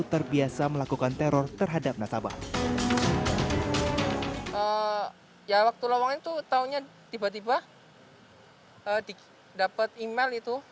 terbiasa melakukan teror terhadap nasabah ya waktu lawan itu taunya tiba tiba hai adik dapat email itu